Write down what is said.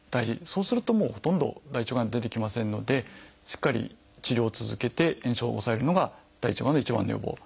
そうするともうほとんど大腸がん出てきませんのでしっかり治療を続けて炎症を抑えるのが大腸がんの一番の予防。